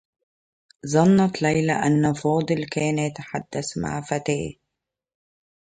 ظنّت ليلى أنّ فاضل كان يتحدّث مع فتاة.